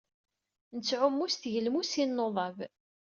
Nettɛumu s tgelmusin n unḍab.